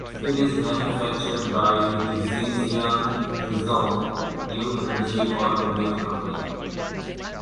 It is manufactured by the Zhejiang Hezhong New Energy Automobile Company.